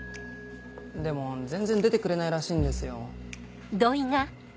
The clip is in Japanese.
でも全然出てくれないらしいんですよ。